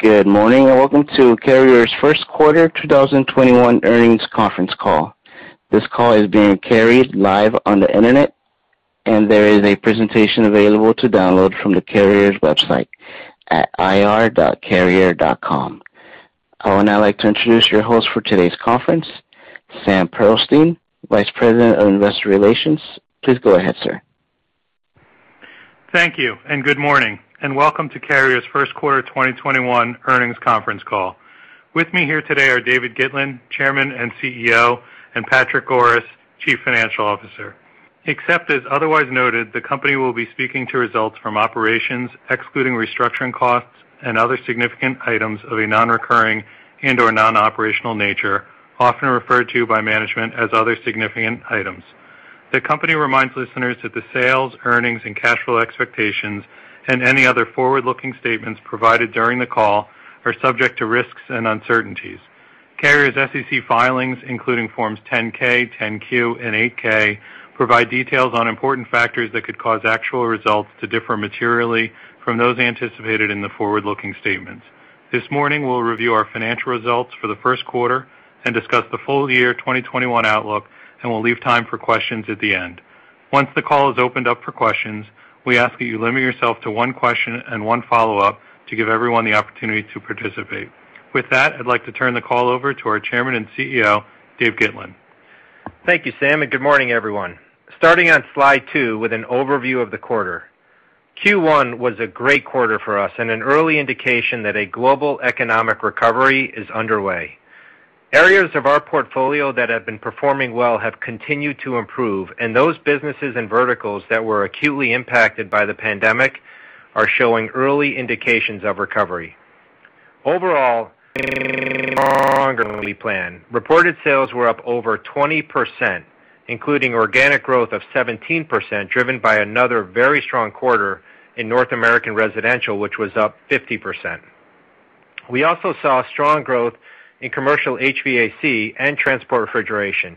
Good morning, welcome to Carrier's first quarter 2021 earnings conference call. This call is being carried live on the internet, and there is a presentation available to download from the Carrier's website at ir.carrier.com. I would now like to introduce your host for today's conference, Sam Pearlstein, Vice President of Investor Relations. Please go ahead, sir. Thank you, and good morning, and welcome to Carrier's first quarter 2021 earnings conference call. With me here today are David Gitlin, Chairman and CEO, and Patrick Goris, Chief Financial Officer. Except as otherwise noted, the company will be speaking to results from operations excluding restructuring costs and other significant items of a non-recurring and/or non-operational nature, often referred to by management as other significant items. The company reminds listeners that the sales, earnings, and cash flow expectations and any other forward-looking statements provided during the call are subject to risks and uncertainties. Carrier's SEC filings, including forms 10-K, 10-Q, and 8-K, provide details on important factors that could cause actual results to differ materially from those anticipated in the forward-looking statements. This morning, we'll review our financial results for the first quarter and discuss the full year 2021 outlook, and we'll leave time for questions at the end. Once the call is opened up for questions, we ask that you limit yourself to one question and one follow-up to give everyone the opportunity to participate. With that, I'd like to turn the call over to our Chairman and CEO, Dave Gitlin. Thank you, Sam. Good morning, everyone. Starting on slide two with an overview of the quarter. Q1 was a great quarter for us and an early indication that a global economic recovery is underway. Areas of our portfolio that have been performing well have continued to improve, and those businesses and verticals that were acutely impacted by the pandemic are showing early indications of recovery. Overall [inaudible] reported sales were up over 20%, including organic growth of 17%, driven by another very strong quarter in North American residential, which was up 50%. We also saw strong growth in commercial HVAC and transport refrigeration.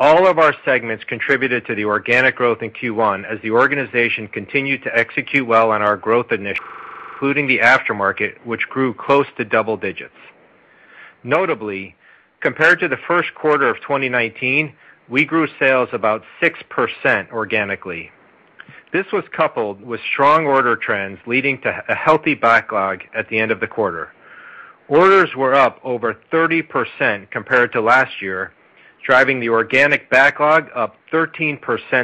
All of our segments contributed to the organic growth in Q1 as the organization continued to execute well on our growth initiatives, including the aftermarket, which grew close to double digits. Notably, compared to the first quarter of 2019, we grew sales about 6% organically. This was coupled with strong order trends, leading to a healthy backlog at the end of the quarter. Orders were up over 30% compared to last year, driving the organic backlog up 13%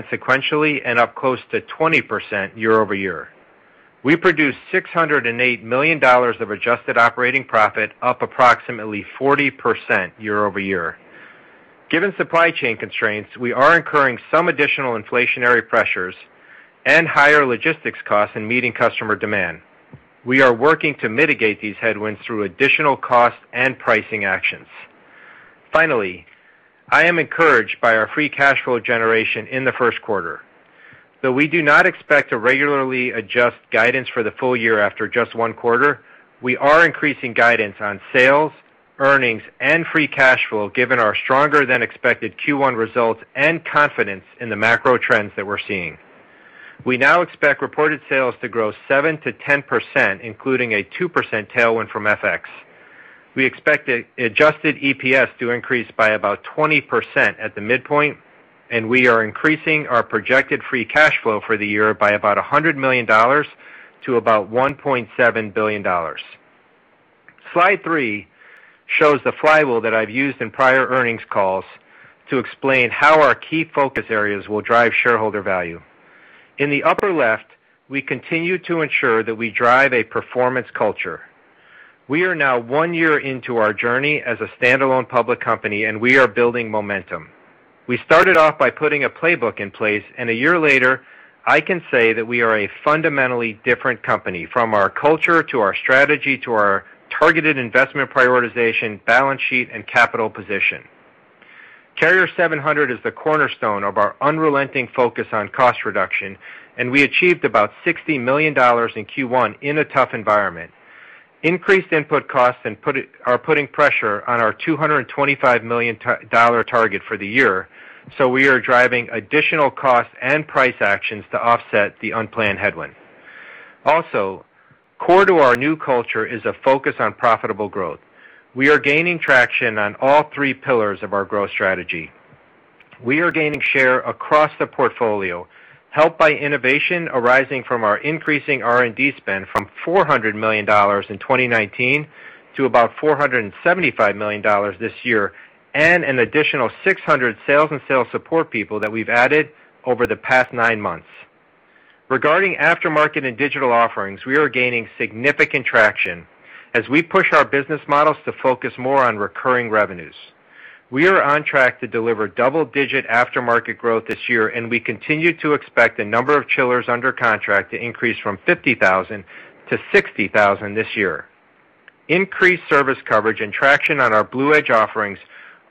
sequentially and up close to 20% year-over-year. We produced $608 million of adjusted operating profit, up approximately 40% year-over-year. Given supply chain constraints, we are incurring some additional inflationary pressures and higher logistics costs in meeting customer demand. We are working to mitigate these headwinds through additional cost and pricing actions. Finally, I am encouraged by our free cash flow generation in the first quarter. Though we do not expect to regularly adjust guidance for the full year after just one quarter, we are increasing guidance on sales, earnings, and free cash flow given our stronger-than-expected Q1 results and confidence in the macro trends that we're seeing. We now expect reported sales to grow 7%-10%, including a 2% tailwind from FX. We expect adjusted EPS to increase by about 20% at the midpoint, and we are increasing our projected free cash flow for the year by about $100 million to about $1.7 billion. Slide three shows the flywheel that I've used in prior earnings calls to explain how our key focus areas will drive shareholder value. In the upper left, we continue to ensure that we drive a performance culture. We are now one year into our journey as a standalone public company, and we are building momentum. We started off by putting a playbook in place, and a year later, I can say that we are a fundamentally different company, from our culture to our strategy to our targeted investment prioritization, balance sheet, and capital position. Carrier 700 is the cornerstone of our unrelenting focus on cost reduction, and we achieved about $60 million in Q1 in a tough environment. Increased input costs are putting pressure on our $225 million target for the year, so we are driving additional cost and price actions to offset the unplanned headwind. Also, core to our new culture is a focus on profitable growth. We are gaining traction on all three pillars of our growth strategy. We are gaining share across the portfolio, helped by innovation arising from our increasing R&D spend from $400 million in 2019 to about $475 million this year, and an additional 600 sales and sales support people that we've added over the past nine months. Regarding aftermarket and digital offerings, we are gaining significant traction as we push our business models to focus more on recurring revenues. We are on track to deliver double-digit aftermarket growth this year. We continue to expect the number of chillers under contract to increase from 50,000 to 60,000 this year. Increased service coverage and traction on our BluEdge offerings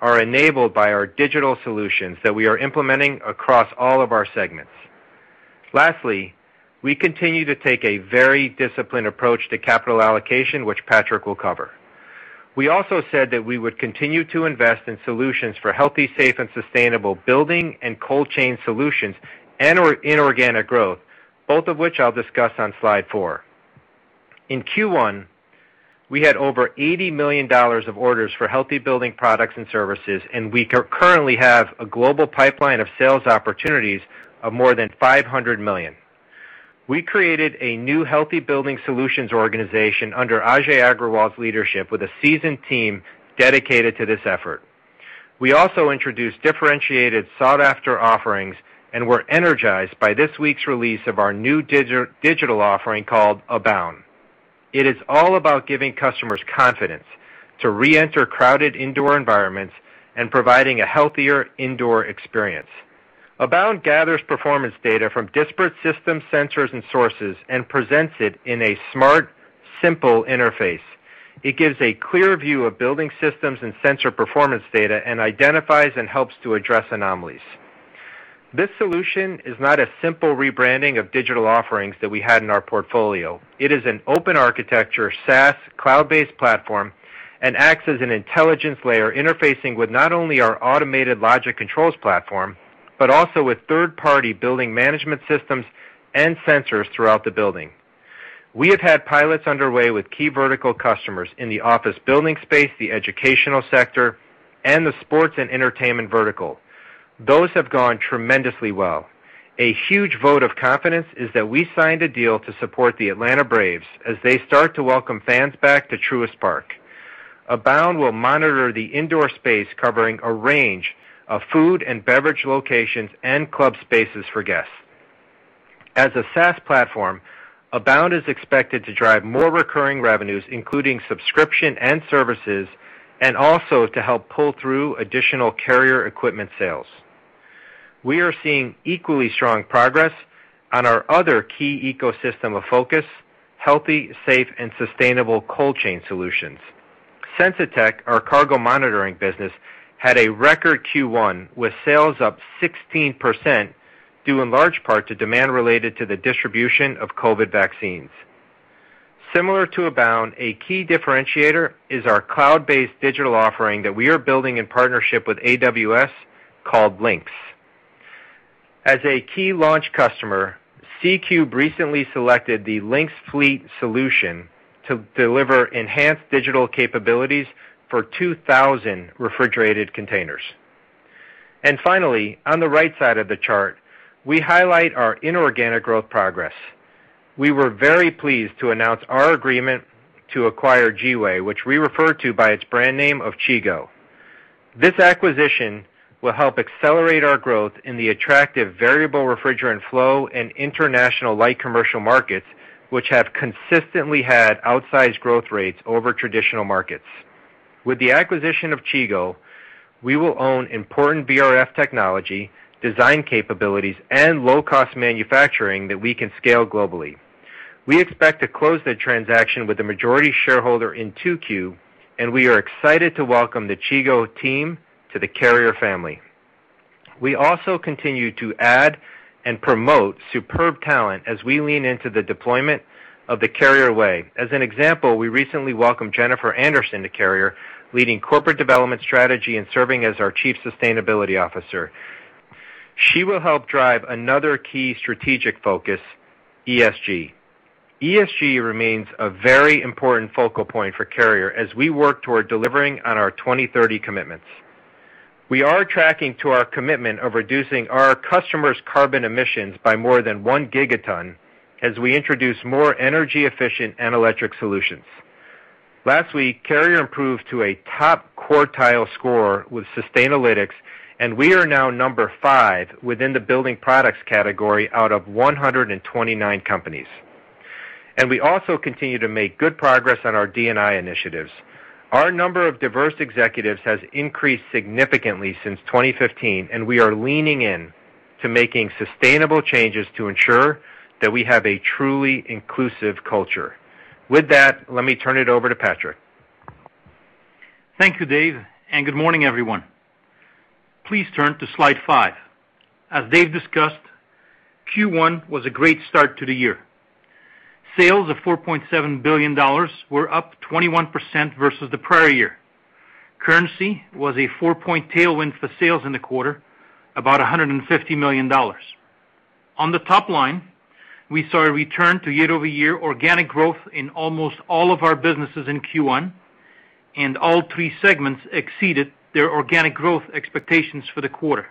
are enabled by our digital solutions that we are implementing across all of our segments. Lastly, we continue to take a very disciplined approach to capital allocation, which Patrick will cover. We also said that we would continue to invest in solutions for healthy, safe, and sustainable building and cold chain solutions and inorganic growth, both of which I'll discuss on slide four. In Q1, we had over $80 million of orders for healthy building products and services. We currently have a global pipeline of sales opportunities of more than $500 million. We created a new healthy building solutions organization under Ajay Agrawal's leadership, with a seasoned team dedicated to this effort. We also introduced differentiated sought-after offerings, and we're energized by this week's release of our new digital offering called Abound. It is all about giving customers confidence to reenter crowded indoor environments and providing a healthier indoor experience. Abound gathers performance data from disparate system sensors and sources and presents it in a smart, simple interface. It gives a clear view of building systems and sensor performance data and identifies and helps to address anomalies. This solution is not a simple rebranding of digital offerings that we had in our portfolio. It is an open architecture, SaaS, cloud-based platform and acts as an intelligence layer, interfacing with not only our Automated Logic Controls platform, but also with third-party building management systems and sensors throughout the building. We have had pilots underway with key vertical customers in the office building space, the educational sector, and the sports and entertainment vertical. Those have gone tremendously well. A huge vote of confidence is that we signed a deal to support the Atlanta Braves as they start to welcome fans back to Truist Park. Abound will monitor the indoor space, covering a range of food and beverage locations and club spaces for guests. As a SaaS platform, Abound is expected to drive more recurring revenues, including subscription and services, and also to help pull through additional Carrier equipment sales. We are seeing equally strong progress on our other key ecosystem of focus: healthy, safe, and sustainable cold chain solutions. Sensitech, our cargo monitoring business, had a record Q1, with sales up 16%, due in large part to demand related to the distribution of COVID vaccines. Similar to Abound, a key differentiator is our cloud-based digital offering that we are building in partnership with AWS called Lynx. As a key launch customer, SeaCube recently selected the Lynx Fleet solution to deliver enhanced digital capabilities for 2,000 refrigerated containers. Finally, on the right side of the chart, we highlight our inorganic growth progress. We were very pleased to announce our agreement to acquire Giwee, which we refer to by its brand name of Chigo. This acquisition will help accelerate our growth in the attractive variable refrigerant flow and international light commercial markets, which have consistently had outsized growth rates over traditional markets. With the acquisition of Chigo, we will own important VRF technology, design capabilities, and low-cost manufacturing that we can scale globally. We expect to close the transaction with the majority shareholder in 2Q, and we are excited to welcome the Chigo team to the Carrier family. We also continue to add and promote superb talent as we lean into the deployment of The Carrier Way. As an example, we recently welcomed Jennifer Anderson to Carrier, leading corporate development strategy and serving as our chief sustainability officer. She will help drive another key strategic focus, ESG. ESG remains a very important focal point for Carrier as we work toward delivering on our 2030 commitments. We are tracking to our commitment of reducing our customers' carbon emissions by more than one gigaton as we introduce more energy-efficient and electric solutions. Last week, Carrier improved to a top quartile score with Sustainalytics, and we are now number five within the building products category out of 129 companies. We also continue to make good progress on our D&I initiatives. Our number of diverse executives has increased significantly since 2015, and we are leaning in to making sustainable changes to ensure that we have a truly inclusive culture. With that, let me turn it over to Patrick. Thank you, Dave, and good morning, everyone. Please turn to slide five. As Dave discussed, Q1 was a great start to the year. Sales of $4.7 billion were up 21% versus the prior year. Currency was a four-point tailwind for sales in the quarter, about $150 million. On the top line, we saw a return to year-over-year organic growth in almost all of our businesses in Q1, and all three segments exceeded their organic growth expectations for the quarter.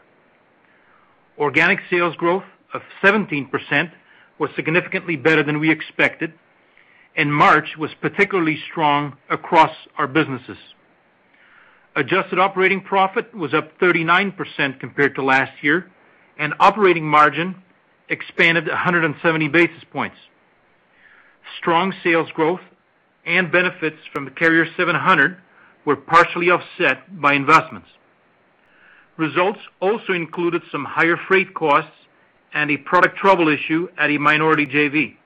Organic sales growth of 17% was significantly better than we expected, and March was particularly strong across our businesses. Adjusted operating profit was up 39% compared to last year, and operating margin expanded 170 basis points. Strong sales growth and benefits from the Carrier 700 were partially offset by investments. Results also included some higher freight costs and a product trouble issue at a minority JV.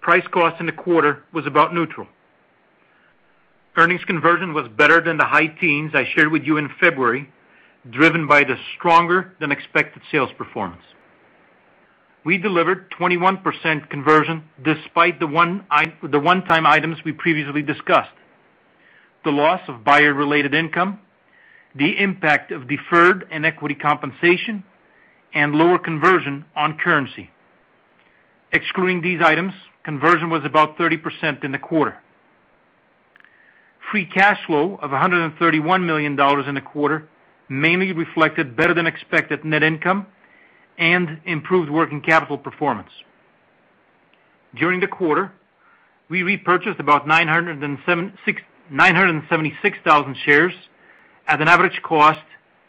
Price cost in the quarter was about neutral. Earnings conversion was better than the high teens I shared with you in February, driven by the stronger than expected sales performance. We delivered 21% conversion despite the one-time items we previously discussed: the loss of Beijer-related income, the impact of deferred and equity compensation, and lower conversion on currency. Excluding these items, conversion was about 30% in the quarter. Free cash flow of $131 million in the quarter mainly reflected better than expected net income and improved working capital performance. During the quarter, we repurchased about 976,000 shares at an average cost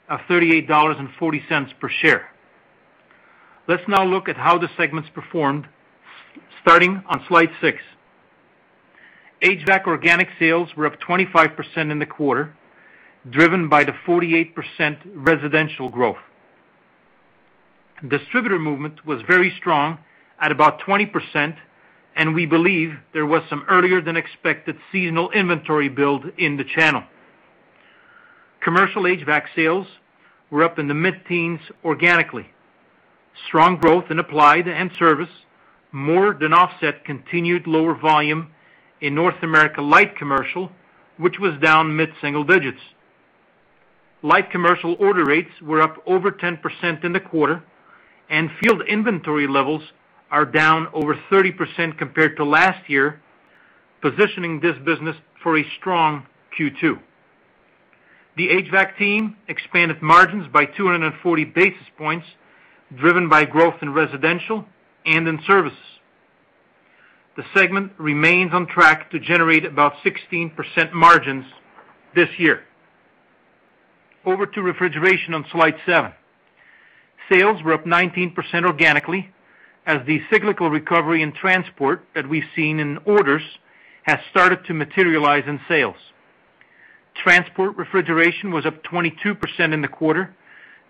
of $38.40 per share. Let's now look at how the segments performed, starting on slide six. HVAC organic sales were up 25% in the quarter, driven by the 48% residential growth. Distributor movement was very strong at about 20%, and we believe there was some earlier than expected seasonal inventory build in the channel. Commercial HVAC sales were up in the mid-teens organically. Strong growth in applied end service more than offset continued lower volume in North America light commercial, which was down mid-single digits. Light commercial order rates were up over 10% in the quarter, and field inventory levels are down over 30% compared to last year, positioning this business for a strong Q2. The HVAC team expanded margins by 240 basis points, driven by growth in residential and in services. The segment remains on track to generate about 16% margins this year. Over to Refrigeration on slide seven. Sales were up 19% organically as the cyclical recovery in transport that we've seen in orders has started to materialize in sales. Transport refrigeration was up 22% in the quarter,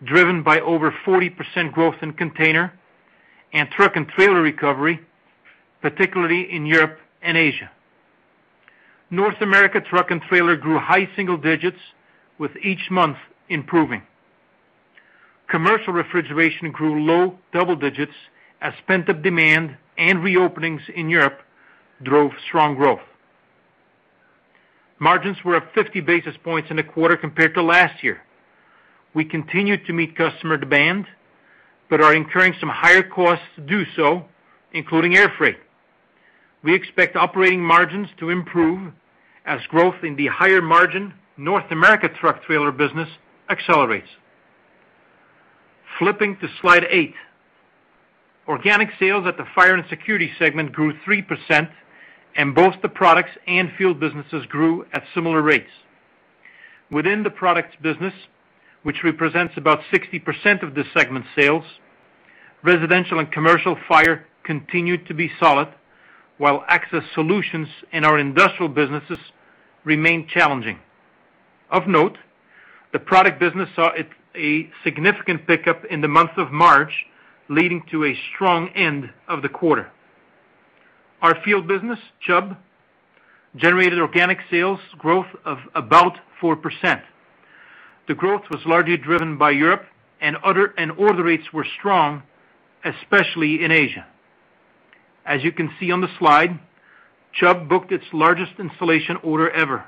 driven by over 40% growth in container and truck and trailer recovery, particularly in Europe and Asia. North America truck and trailer grew high single digits with each month improving. Commercial refrigeration grew low double digits as pent-up demand and reopenings in Europe drove strong growth. Margins were up 50 basis points in the quarter compared to last year. We continued to meet customer demand, but are incurring some higher costs to do so, including air freight. We expect operating margins to improve as growth in the higher margin North America truck trailer business accelerates. Flipping to slide eight. Organic sales at the Fire & Security segment grew 3%, and both the products and field businesses grew at similar rates. Within the products business, which represents about 60% of the segment sales, residential and commercial fire continued to be solid, while access solutions in our industrial businesses remained challenging. Of note, the product business saw a significant pickup in the month of March, leading to a strong end of the quarter. Our field business, Chubb, generated organic sales growth of about 4%. The growth was largely driven by Europe and order rates were strong, especially in Asia. As you can see on the slide, Chubb booked its largest installation order ever.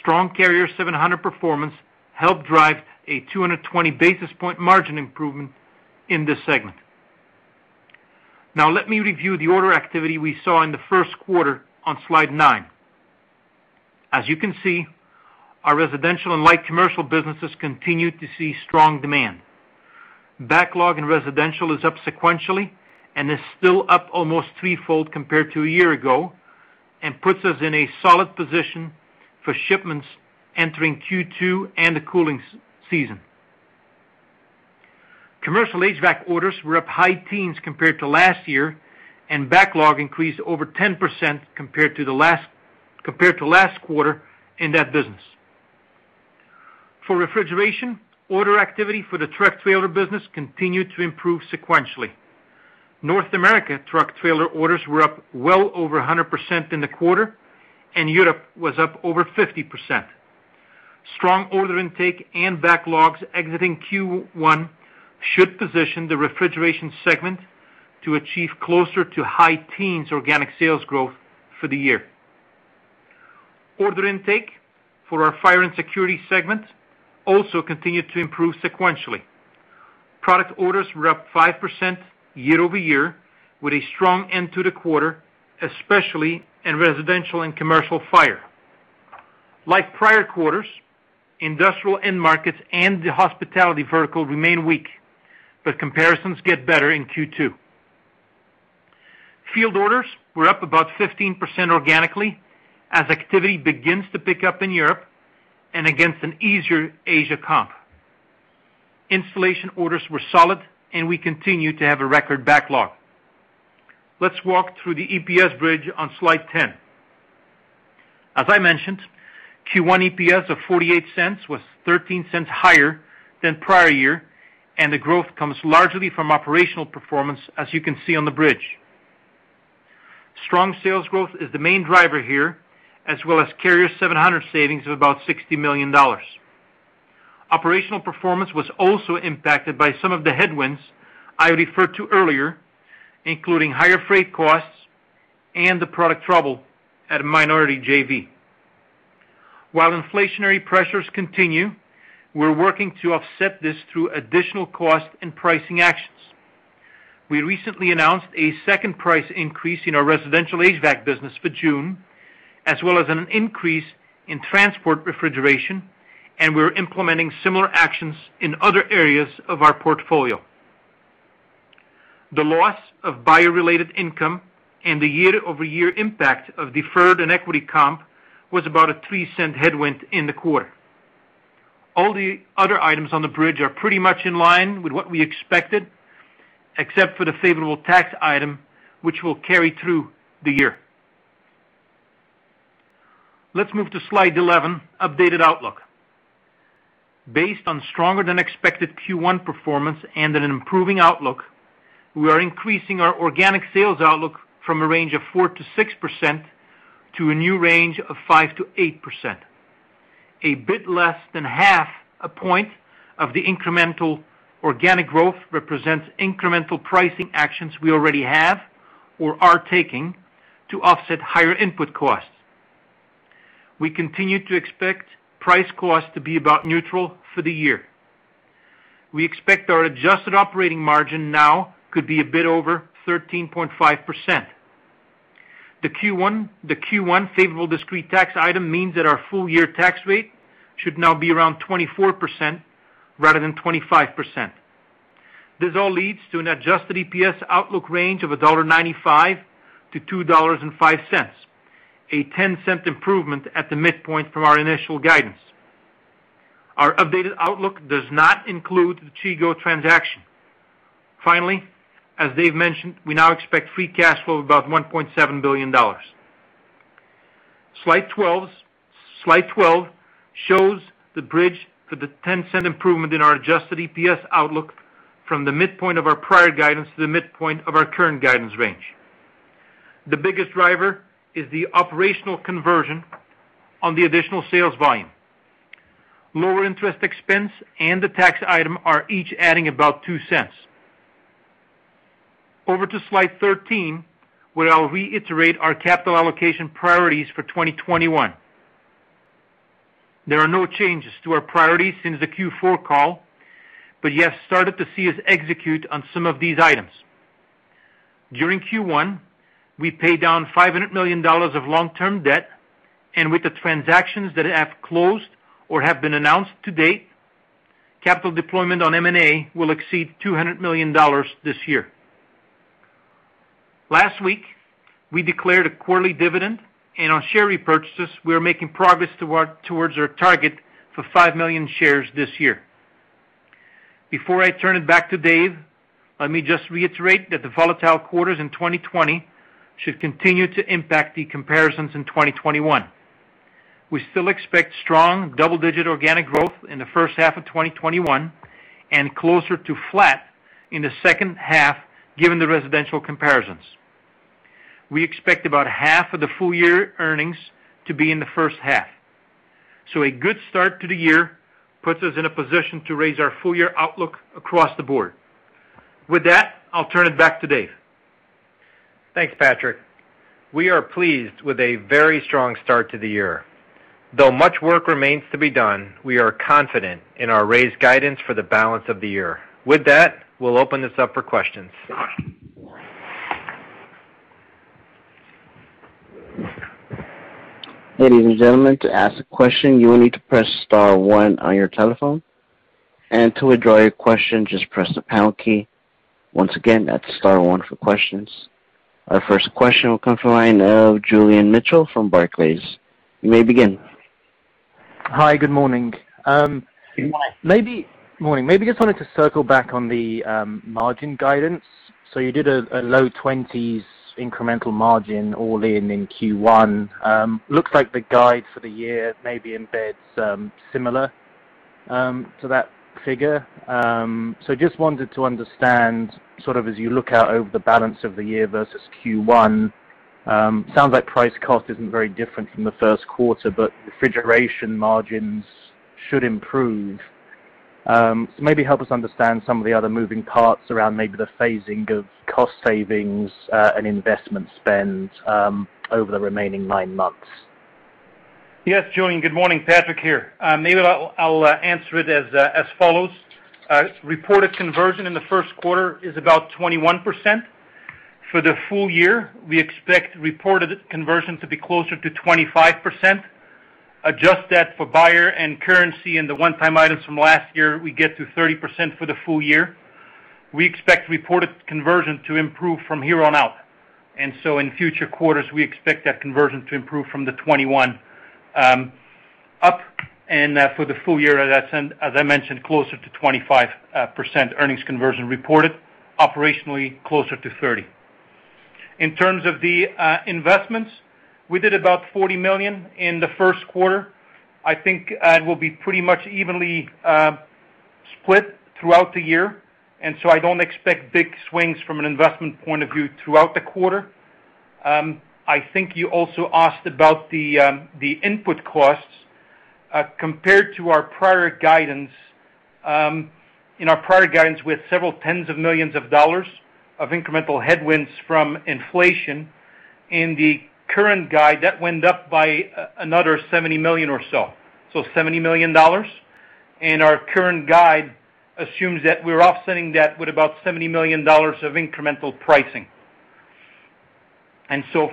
Strong Carrier 700 performance helped drive a 220 basis point margin improvement in this segment. Now let me review the order activity we saw in the first quarter on slide nine. As you can see, our residential and light commercial businesses continued to see strong demand. Backlog in residential is up sequentially and is still up almost threefold compared to a year ago and puts us in a solid position for shipments entering Q2 and the cooling season. Commercial HVAC orders were up high teens compared to last year, and backlog increased over 10% compared to last quarter in that business. For Refrigeration, order activity for the truck trailer business continued to improve sequentially. North America truck trailer orders were up well over 100% in the quarter, and Europe was up over 50%. Strong order intake and backlogs exiting Q1 should position the Refrigeration segment to achieve closer to high teens organic sales growth for the year. Order intake for our Fire and Security segment also continued to improve sequentially. Product orders were up 5% year-over-year with a strong end to the quarter, especially in residential and commercial fire. Like prior quarters, industrial end markets and the hospitality vertical remain weak, but comparisons get better in Q2. Field orders were up about 15% organically as activity begins to pick up in Europe and against an easier Asia comp. Installation orders were solid, and we continue to have a record backlog. Let's walk through the EPS bridge on slide 10. As I mentioned, Q1 EPS of $0.48 was $0.13 higher than prior year, and the growth comes largely from operational performance, as you can see on the bridge. Strong sales growth is the main driver here, as well as Carrier 700 savings of about $60 million. Operational performance was also impacted by some of the headwinds I referred to earlier, including higher freight costs and the product trouble at a minority JV. While inflationary pressures continue, we're working to offset this through additional cost and pricing actions. We recently announced a second price increase in our residential HVAC business for June, as well as an increase in transport refrigeration. We're implementing similar actions in other areas of our portfolio. The loss of buyer-related income and the year-over-year impact of deferred and equity comp was about a $0.03 headwind in the quarter. All the other items on the bridge are pretty much in line with what we expected, except for the favorable tax item, which will carry through the year. Let's move to slide 11, updated outlook. Based on stronger than expected Q1 performance and an improving outlook, we are increasing our organic sales outlook from a range of 4%-6% to a new range of 5%-8%. A bit less than half a point of the incremental organic growth represents incremental pricing actions we already have or are taking to offset higher input costs. We continue to expect price cost to be about neutral for the year. We expect our adjusted operating margin now could be a bit over 13.5%. The Q1 favorable discrete tax item means that our full-year tax rate should now be around 24% rather than 25%. This all leads to an adjusted EPS outlook range of $1.95-$2.05, a $0.10 improvement at the midpoint from our initial guidance. Our updated outlook does not include the Chigo transaction. Finally, as Dave mentioned, we now expect free cash flow of about $1.7 billion. Slide 12 shows the bridge for the $0.10 improvement in our adjusted EPS outlook from the midpoint of our prior guidance to the midpoint of our current guidance range. The biggest driver is the operational conversion on the additional sales volume. Lower interest expense and the tax item are each adding about $0.02. Over to slide 13, where I'll reiterate our capital allocation priorities for 2021. There are no changes to our priorities since the Q4 call, but you have started to see us execute on some of these items. During Q1, we paid down $500 million of long-term debt, and with the transactions that have closed or have been announced to date, capital deployment on M&A will exceed $200 million this year. Last week, we declared a quarterly dividend, and on share repurchases, we are making progress towards our target for 5 million shares this year. Before I turn it back to Dave, let me just reiterate that the volatile quarters in 2020 should continue to impact the comparisons in 2021. We still expect strong double-digit organic growth in the first half of 2021 and closer to flat in the second half, given the residential comparisons. We expect about half of the full year earnings to be in the first half. A good start to the year puts us in a position to raise our full-year outlook across the board. With that, I'll turn it back to Dave. Thanks, Patrick. We are pleased with a very strong start to the year. Though much work remains to be done, we are confident in our raised guidance for the balance of the year. With that, we'll open this up for questions. Ladies and gentlemen, to ask a question, you will need to press star one on your telephone, and to withdraw your question, just press the pound key. Once again, that's star one for questions. Our first question will come from the line of Julian Mitchell from Barclays. You may begin. Hi, good morning. Good morning. Morning. Maybe just wanted to circle back on the margin guidance. You did a low 20s incremental margin all in in Q1. Looks like the guide for the year maybe embeds similar to that figure. Just wanted to understand, as you look out over the balance of the year versus Q1, sounds like price cost isn't very different from the first quarter, but refrigeration margins should improve. Maybe help us understand some of the other moving parts around maybe the phasing of cost savings and investment spend over the remaining nine months. Yes, Julian. Good morning. Patrick here. Maybe I'll answer it as follows. Reported conversion in the first quarter is about 21%. For the full year, we expect reported conversion to be closer to 25%. Adjust that for buyout and currency and the one-time items from last year, we get to 30% for the full year. We expect reported conversion to improve from here on out. In future quarters, we expect that conversion to improve from the 21% up, and for the full year, as I mentioned, closer to 25% earnings conversion reported, operationally closer to 30%. In terms of the investments, we did about $40 million in the first quarter. I think it will be pretty much evenly split throughout the year, and so I don't expect big swings from an investment point of view throughout the quarter. I think you also asked about the input costs. Compared to our prior guidance, in our prior guidance, we had several tens of millions of dollars of incremental headwinds from inflation. In the current guide, that went up by another $70 million or so. $70 million. Our current guide assumes that we're offsetting that with about $70 million of incremental pricing.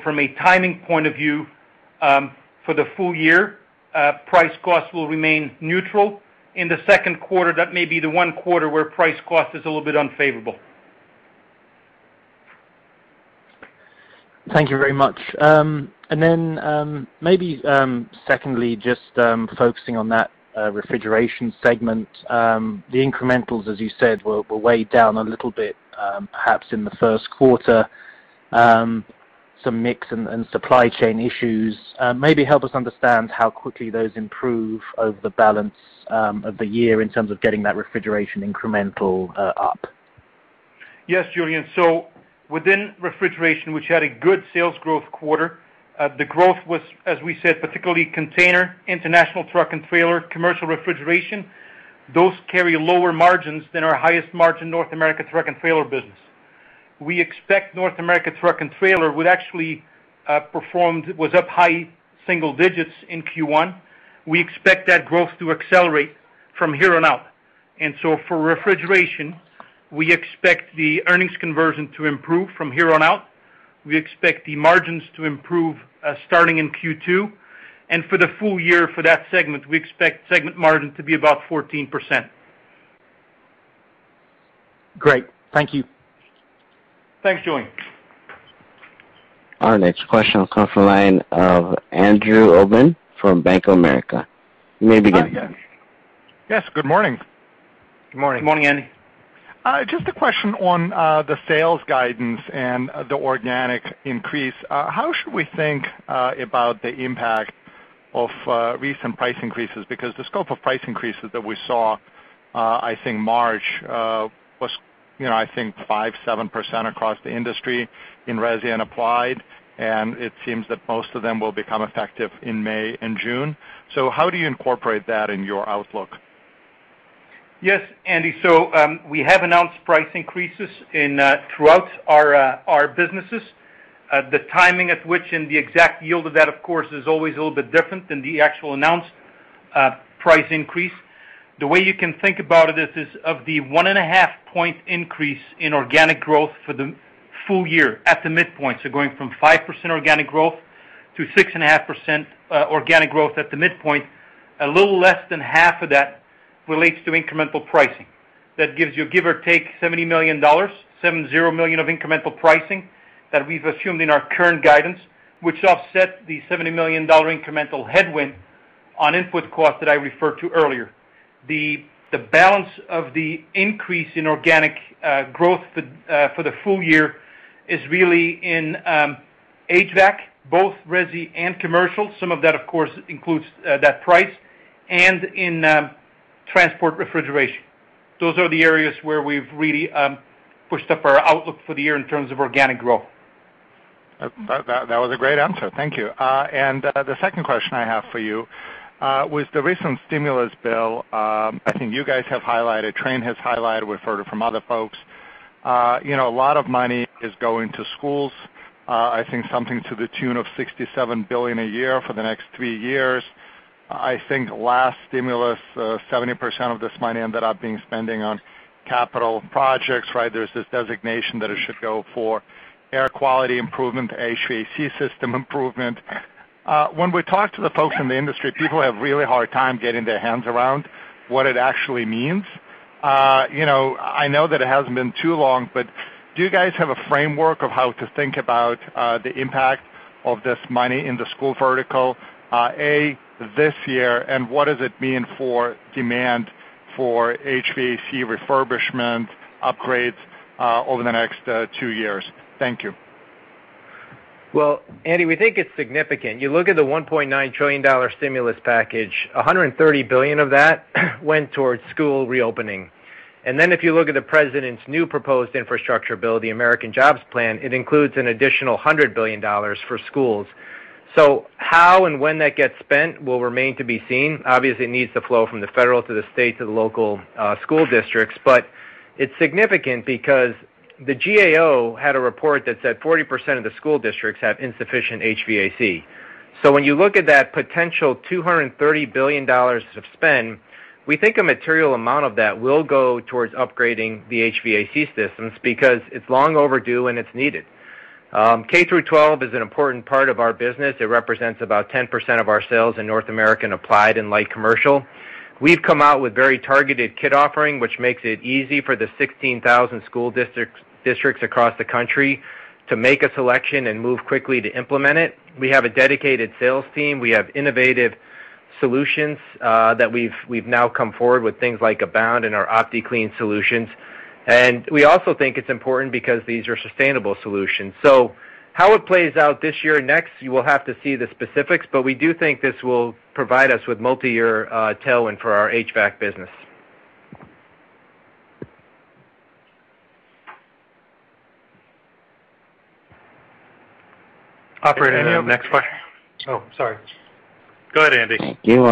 From a timing point of view, for the full year, price cost will remain neutral. In the second quarter, that may be the one quarter where price cost is a little bit unfavorable. Thank you very much. Then maybe secondly, just focusing on that Refrigeration segment. The incrementals, as you said, were weighed down a little bit, perhaps in the first quarter. Some mix and supply chain issues. Maybe help us understand how quickly those improve over the balance of the year in terms of getting that refrigeration incremental up. Yes, Julian. Within Refrigeration, which had a good sales growth quarter, the growth was, as we said, particularly container, international truck and trailer, commercial refrigeration. Those carry lower margins than our highest margin North America truck and trailer business. We expect North America truck and trailer, which actually was up high single digits in Q1. We expect that growth to accelerate from here on out. For Refrigeration, we expect the earnings conversion to improve from here on out. We expect the margins to improve starting in Q2. For the full year for that segment, we expect segment margin to be about 14%. Great. Thank you. Thanks, Julian. Our next question will come from the line of Andrew Obin from Bank of America. You may begin. Yes. Good morning. Good morning. Good morning, Andy. Just a question on the sales guidance and the organic increase. How should we think about the impact of recent price increases? The scope of price increases that we saw, I think March, was I think 5%-7% across the industry in resi and applied, and it seems that most of them will become effective in May and June. How do you incorporate that in your outlook? Yes, Andrew. We have announced price increases throughout our businesses. The timing at which and the exact yield of that, of course, is always a little bit different than the actual announced price increase. The way you can think about it is of the 1.5 point increase in organic growth for the full year at the midpoint. Going from 5% organic growth to 6.5% organic growth at the midpoint, a little less than half of that relates to incremental pricing. That gives you give or take $70 million of incremental pricing that we've assumed in our current guidance, which offset the $70 million incremental headwind on input cost that I referred to earlier. The balance of the increase in organic growth for the full year is really in HVAC, both resi and commercial. Some of that, of course, includes that price and in transport refrigeration. Those are the areas where we've really pushed up our outlook for the year in terms of organic growth. That was a great answer. Thank you. The second question I have for you. With the recent stimulus bill, I think you guys have highlighted, Trane has highlighted, we've heard it from other folks. A lot of money is going to schools. I think something to the tune of $67 billion a year for the next three years. I think last stimulus, 70% of this money ended up being spending on capital projects, right? There's this designation that it should go for air quality improvement, HVAC system improvement. When we talk to the folks in the industry, people have really hard time getting their hands around what it actually means. I know that it hasn't been too long, do you guys have a framework of how to think about the impact of this money in the school vertical this year, and what does it mean for demand for HVAC refurbishment upgrades over the next two years? Thank you. Well, Andy, we think it's significant. You look at the $1.9 trillion stimulus package, $130 billion of that went towards school reopening. If you look at the president's new proposed infrastructure bill, the American Jobs Plan, it includes an additional $100 billion for schools. How and when that gets spent will remain to be seen. Obviously, it needs to flow from the federal to the state to the local school districts. It's significant because the GAO had a report that said 40% of the school districts have insufficient HVAC. When you look at that potential $230 billion to spend, we think a material amount of that will go towards upgrading the HVAC systems because it's long overdue and it's needed. K through 12 is an important part of our business. It represents about 10% of our sales in North America in applied and light commercial. We've come out with very targeted kit offering, which makes it easy for the 16,000 school districts across the country to make a selection and move quickly to implement it. We have a dedicated sales team. We have innovative solutions that we've now come forward with things like Abound and our OptiClean solutions. We also think it's important because these are sustainable solutions. How it plays out this year and next, you will have to see the specifics, but we do think this will provide us with multi-year tailwind for our HVAC business. Operator, next question. Oh, sorry. Go ahead, Andy. Thank you.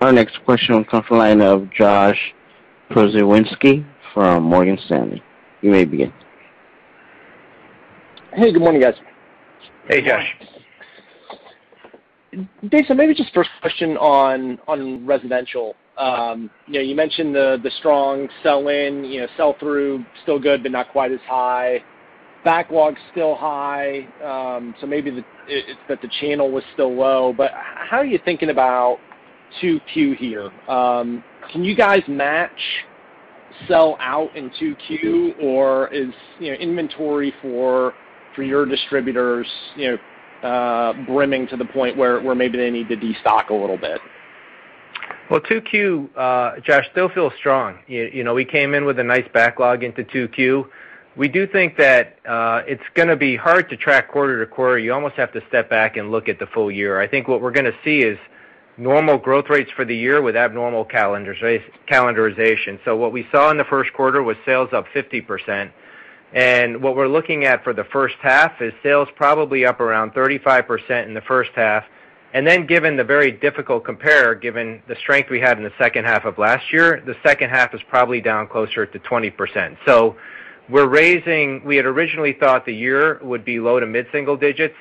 Our next question comes from the line of Josh Pokrzywinski from Morgan Stanley. You may begin. Hey, good morning, guys. Hey, Josh. Maybe just first question on residential. You mentioned the strong sell-in, sell-through, still good, but not quite as high. Backlog's still high, maybe it's that the channel was still low. How are you thinking about 2Q here? Can you guys match sell out in 2Q, or is inventory for your distributors brimming to the point where maybe they need to destock a little bit? 2Q, Josh, still feels strong. We came in with a nice backlog into 2Q. We do think that it's going to be hard to track quarter to quarter. You almost have to step back and look at the full year. I think what we're going to see is normal growth rates for the year with abnormal calendarization. What we saw in the first quarter was sales up 50%. What we're looking at for the first half is sales probably up around 35% in the first half. Given the very difficult compare, given the strength we had in the second half of last year, the second half is probably down closer to 20%. We're raising, we had originally thought the year would be low to mid-single digits.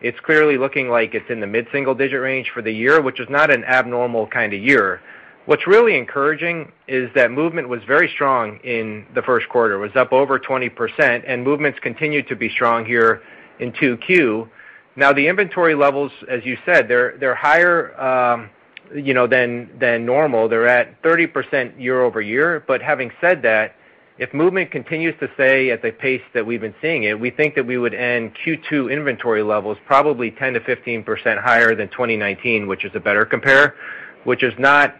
It's clearly looking like it's in the mid-single-digit range for the year, which is not an abnormal kind of year. What's really encouraging is that movement was very strong in the first quarter. It was up over 20%, and movements continue to be strong here in 2Q. Now, the inventory levels, as you said, they're higher than normal. They're at 30% year-over-year. Having said that, if movement continues to stay at the pace that we've been seeing it, we think that we would end Q2 inventory levels probably 10%-15% higher than 2019, which is a better compare, which is not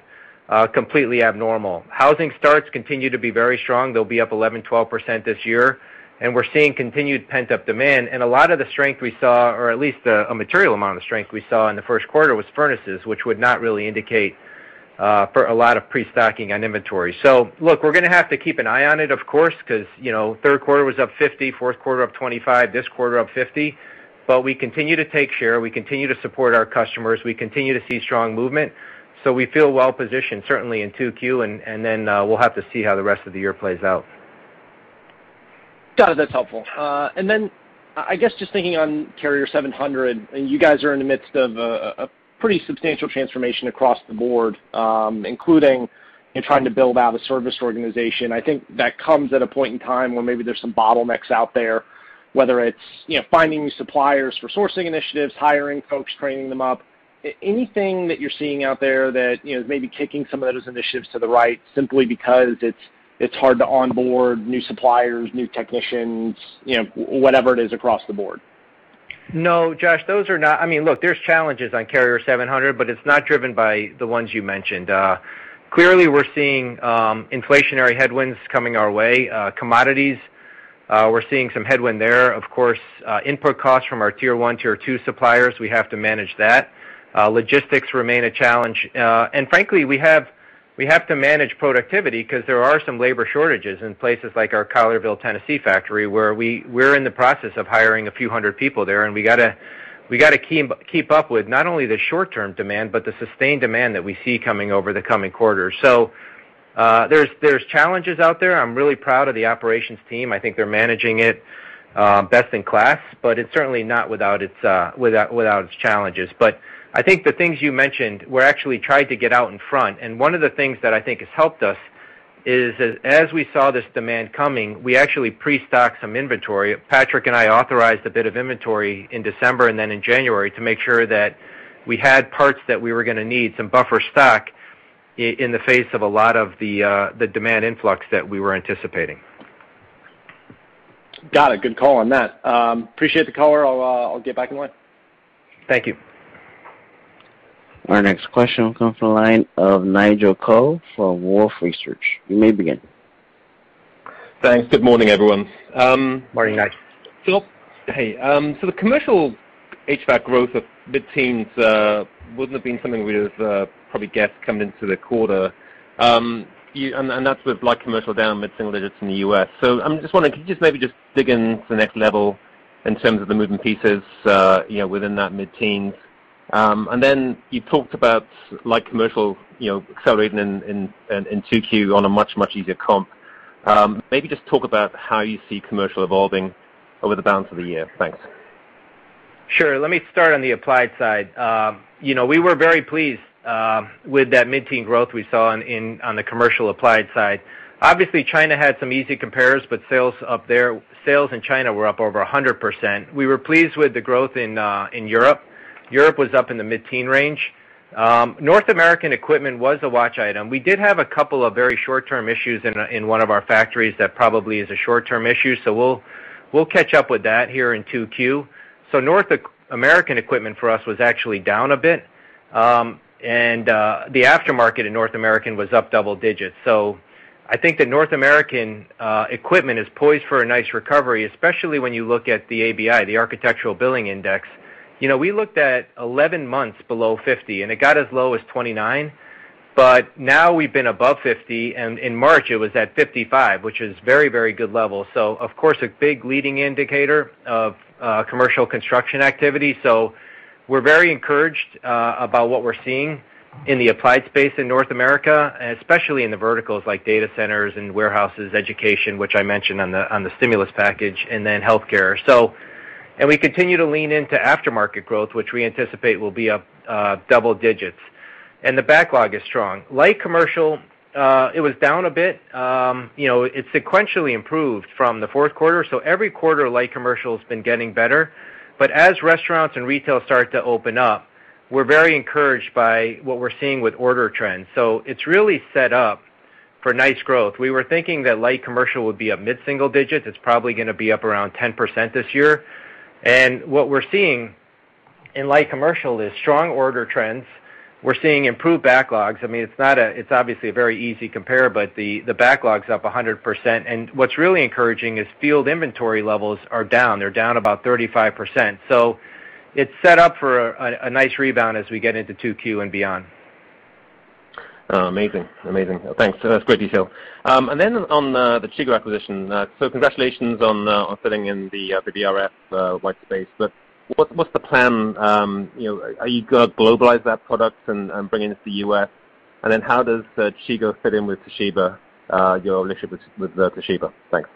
completely abnormal. Housing starts continue to be very strong. They'll be up 11%, 12% this year. We're seeing continued pent-up demand. A lot of the strength we saw, or at least a material amount of strength we saw in the first quarter was furnaces, which would not really indicate for a lot of pre-stocking on inventory. Look, we're going to have to keep an eye on it, of course, because third quarter was up 50%, fourth quarter up 25%, this quarter up 50%. We continue to take share. We continue to support our customers. We continue to see strong movement. We feel well-positioned, certainly in 2Q, and then we'll have to see how the rest of the year plays out. Got it. That's helpful. I guess, just thinking on Carrier 700, you guys are in the midst of a pretty substantial transformation across the board, including in trying to build out a service organization. I think that comes at a point in time where maybe there's some bottlenecks out there, whether it's finding new suppliers for sourcing initiatives, hiring folks, training them up. Anything you're seeing out there that is maybe kicking some of those initiatives to the right simply because it's hard to onboard new suppliers, new technicians, whatever it is across the board? No, Josh, those are not. There's challenges on Carrier 700, but it's not driven by the ones you mentioned. Clearly, we're seeing inflationary headwinds coming our way. Commodities, we're seeing some headwind there. Input costs from our Tier 1, Tier 2 suppliers, we have to manage that. Logistics remain a challenge. Frankly, we have to manage productivity because there are some labor shortages in places like our Collierville, Tennessee factory, where we're in the process of hiring a few hundred people there. We got to keep up with not only the short-term demand, but the sustained demand that we see coming over the coming quarters. There's challenges out there. I'm really proud of the operations team. I think they're managing it best in class, but it's certainly not without its challenges. I think the things you mentioned, we're actually trying to get out in front. One of the things that I think has helped us is as we saw this demand coming, we actually pre-stocked some inventory. Patrick and I authorized a bit of inventory in December and then in January to make sure that we had parts that we were going to need, some buffer stock in the face of a lot of the demand influx that we were anticipating. Got it. Good call on that. Appreciate the call. I'll get back in line. Thank you. Our next question comes from the line of Nigel Coe from Wolfe Research. You may begin. Thanks. Good morning, everyone. Morning, Nigel. Hey. The commercial HVAC growth of mid-teens wouldn't have been something we'd have probably guessed coming into the quarter. That's with light commercial down mid-single digits in the U.S. I'm just wondering, can you just maybe just dig into the next level in terms of the moving pieces within that mid-teens. Then you talked about light commercial accelerating in 2Q on a much, much easier comp. Maybe just talk about how you see commercial evolving over the balance of the year. Thanks. Sure. Let me start on the applied side. We were very pleased with that mid-teen growth we saw on the commercial applied side. Obviously, China had some easy compares, but sales in China were up over 100%. We were pleased with the growth in Europe. Europe was up in the mid-teen range. North American equipment was a watch item. We did have a couple of very short-term issues in one of our factories. That probably is a short-term issue. We'll catch up with that here in 2Q. North American equipment for us was actually down a bit. The aftermarket in North American was up double digits. I think the North American equipment is poised for a nice recovery, especially when you look at the ABI, the Architectural Billings Index. We looked at 11 months below 50, and it got as low as 29. Now we've been above 50, and in March it was at 55, which is very good level. Of course, a big leading indicator of commercial construction activity. We're very encouraged about what we're seeing in the applied space in North America, especially in the verticals like data centers and warehouses, education, which I mentioned on the stimulus package, and then healthcare. We continue to lean into aftermarket growth, which we anticipate will be up double digits. The backlog is strong. Light commercial, it was down a bit. It sequentially improved from the fourth quarter. Every quarter, light commercial's been getting better. As restaurants and retail start to open up, we're very encouraged by what we're seeing with order trends. It's really set up for nice growth. We were thinking that light commercial would be up mid-single digits. It's probably going to be up around 10% this year. What we're seeing in light commercial is strong order trends. We're seeing improved backlogs. It's obviously a very easy compare, but the backlog's up 100%. What's really encouraging is field inventory levels are down. They're down about 35%. It's set up for a nice rebound as we get into 2Q and beyond. Amazing. Thanks. That's great detail. On the Chigo acquisition, congratulations on fitting in the VRF workspace. What's the plan? Are you going to globalize that product and bring it into the U.S.? How does Chigo fit in with Toshiba, your relationship with Toshiba? Thanks.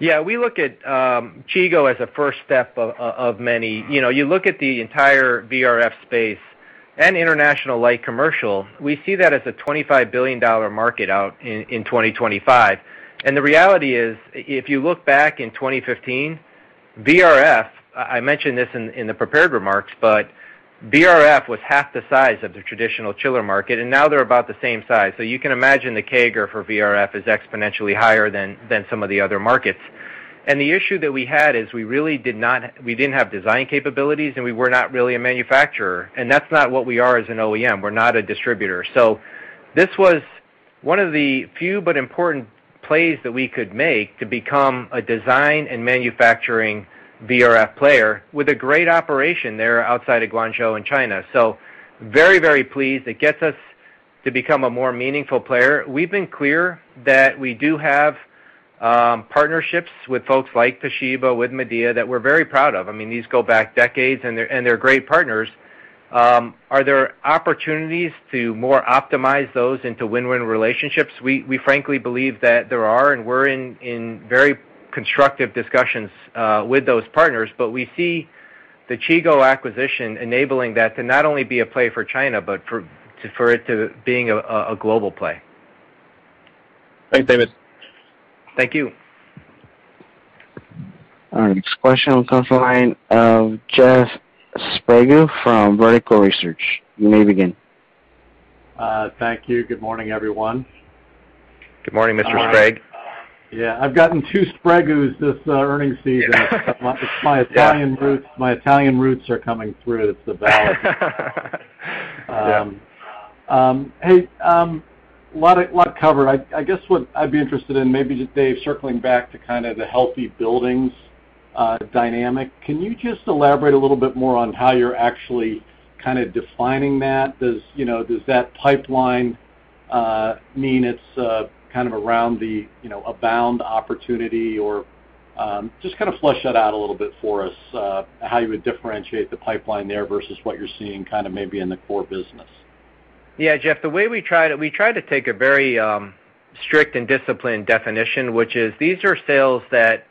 Yeah, we look at Chigo as a first step of many. You look at the entire VRF space and international light commercial, we see that as a $25 billion market out in 2025. The reality is, if you look back in 2015, VRF, I mentioned this in the prepared remarks, VRF was half the size of the traditional chiller market, and now they're about the same size. You can imagine the CAGR for VRF is exponentially higher than some of the other markets. The issue that we had is we didn't have design capabilities, and we were not really a manufacturer. That's not what we are as an OEM. We're not a distributor. This was one of the few but important plays that we could make to become a design and manufacturing VRF player with a great operation there outside of Guangzhou in China. Very very pleased. It gets us to become a more meaningful player. We've been clear that we do have partnerships with folks like Toshiba, with Midea, that we're very proud of. These go back decades, and they're great partners. Are there opportunities to more optimize those into win-win relationships? We frankly believe that there are, and we're in very constructive discussions with those partners, but we see the Chigo acquisition enabling that to not only be a play for China, but for it to being a global play. Thanks, David. Thank you. All right. Next question comes from the line of Jeff Sprague from Vertical Research. You may begin. Thank you. Good morning, everyone. Good morning, Mr. Sprague. Yeah. I've gotten two Sprague's this earning season. Yeah. My Italian roots are coming through. It's the valet. Yeah. Hey, a lot covered. I guess what I'd be interested in maybe just, Dave, circling back to the healthy buildings dynamic. Can you just elaborate a little bit more on how you're actually defining that? Does that pipeline mean it's around the Abound opportunity or just flush that out a little bit for us, how you would differentiate the pipeline there versus what you're seeing maybe in the core business? Yeah, Jeff. We try to take a very strict and disciplined definition, which is these are sales that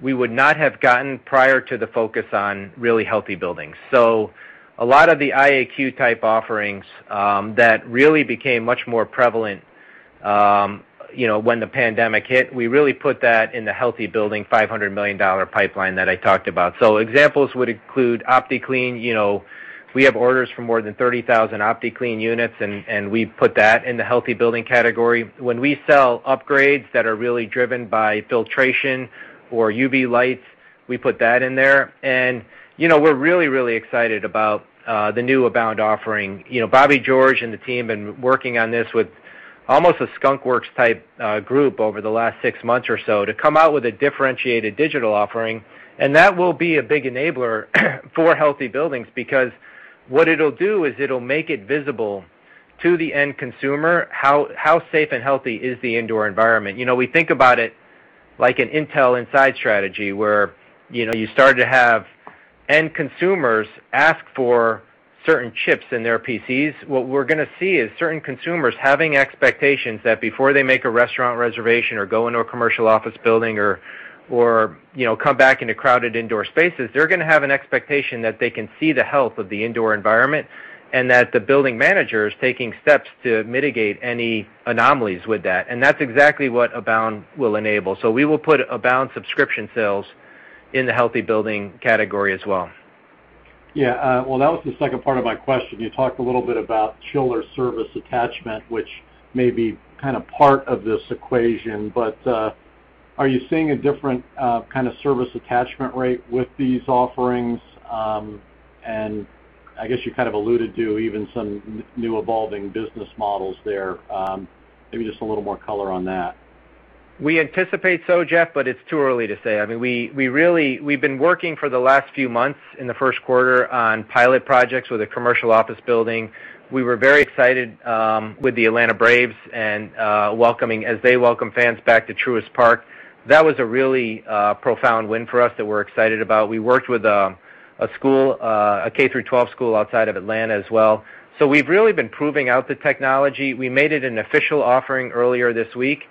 we would not have gotten prior to the focus on really healthy buildings. A lot of the IAQ type offerings that really became much more prevalent when the pandemic hit. We really put that in the healthy building $500 million pipeline that I talked about. Examples would include OptiClean. We have orders for more than 30,000 OptiClean units, and we put that in the healthy building category. When we sell upgrades that are really driven by filtration or UV lights, we put that in there. We're really excited about the new Abound offering. Bobby George and the team been working on this with almost a skunkworks type group over the last six months or so to come out with a differentiated digital offering. That will be a big enabler for healthy buildings, because what it'll do is it'll make it visible to the end consumer how safe and healthy is the indoor environment. We think about it like an Intel Inside strategy where you start to have end consumers ask for certain chips in their PCs. What we're going to see is certain consumers having expectations that before they make a restaurant reservation or go into a commercial office building or come back into crowded indoor spaces, they're going to have an expectation that they can see the health of the indoor environment, and that the building manager is taking steps to mitigate any anomalies with that. That's exactly what Abound will enable. We will put Abound subscription sales in the healthy building category as well. Yeah. Well, that was the second part of my question. You talked a little bit about chiller service attachment, which may be kind of part of this equation. Are you seeing a different kind of service attachment rate with these offerings? I guess you kind of alluded to even some new evolving business models there. Maybe just a little more color on that. We anticipate so, Jeff, it's too early to say. I mean, we've been working for the last few months in the first quarter on pilot projects with a commercial office building. We were very excited with the Atlanta Braves and welcoming as they welcome fans back to Truist Park. That was a really profound win for us that we're excited about. We worked with a K through 12 school outside of Atlanta as well. We've really been proving out the technology. We made it an official offering earlier this week,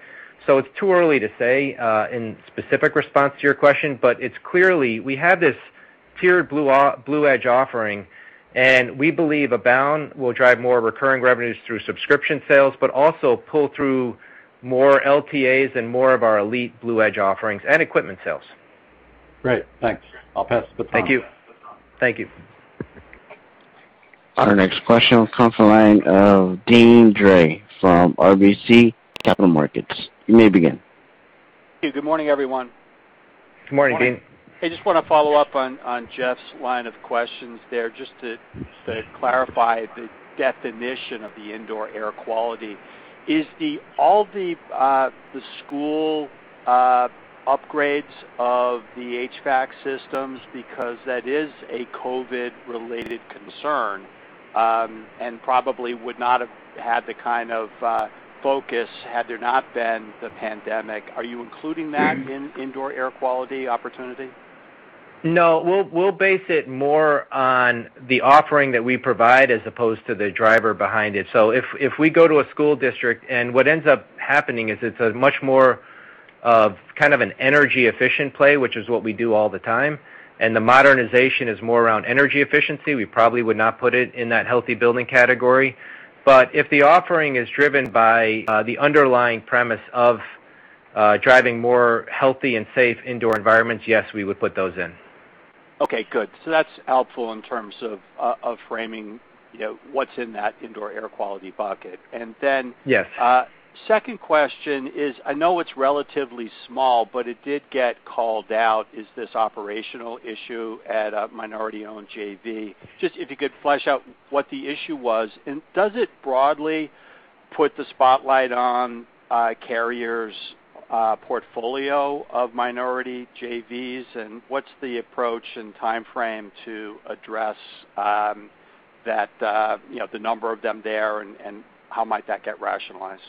so it's too early to say in specific response to your question, but it's clearly we have this tiered BluEdge offering, and we believe Abound will drive more recurring revenues through subscription sales, but also pull through more LTAs and more of our elite BluEdge offerings and equipment sales. Great. Thanks. I'll pass the baton. Thank you. Our next question comes from the line of Deane Dray from RBC Capital Markets. You may begin. Good morning, everyone. Good morning, Deane. I just want to follow up on Jeff's line of questions there, just to clarify the definition of the indoor air quality. Is all the school upgrades of the HVAC systems because that is a COVID-related concern, and probably would not have had the kind of focus had there not been the pandemic? Are you including that in indoor air quality opportunity? No, we'll base it more on the offering that we provide as opposed to the driver behind it. If we go to a school district and what ends up happening is it's a much more of kind of an energy efficient play, which is what we do all the time, and the modernization is more around energy efficiency. We probably would not put it in that healthy building category. If the offering is driven by the underlying premise of driving more healthy and safe indoor environments, yes, we would put those in. Okay, good. That's helpful in terms of framing what's in that indoor air quality bucket. Yes. Second question is, I know it's relatively small, but it did get called out, is this operational issue at a minority-owned JV. Just if you could flesh out what the issue was, and does it broadly put the spotlight on Carrier's portfolio of minority JVs, and what's the approach and timeframe to address the number of them there, and how might that get rationalized?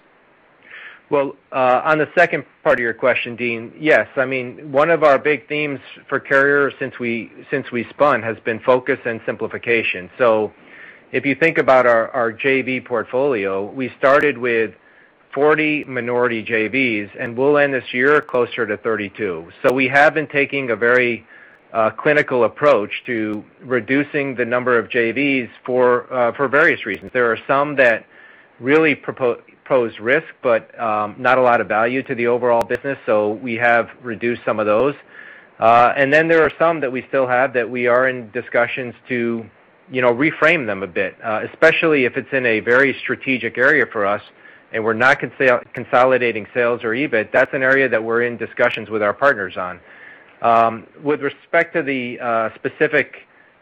Well, on the second part of your question, Deane, yes. I mean, one of our big themes for Carrier since we spun has been focus and simplification. If you think about our JV portfolio, we started with 40 minority JVs, and we'll end this year closer to 32. We have been taking a very clinical approach to reducing the number of JVs for various reasons. There are some that really pose risk, but not a lot of value to the overall business, so we have reduced some of those. There are some that we still have that we are in discussions to reframe them a bit, especially if it's in a very strategic area for us and we're not consolidating sales or EBIT. That's an area that we're in discussions with our partners on. With respect to the specific